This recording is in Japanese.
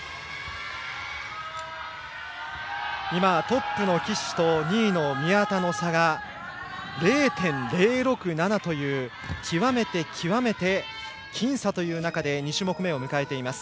トップの岸と２位の宮田の差が０．０６７という極めて極めて僅差という中で２種目めを迎えています。